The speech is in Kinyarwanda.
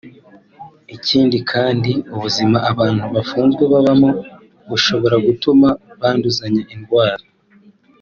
Ikindi kandi ubuzima abantu bafunzwe babamo bushobora gutuma banduzanya indwara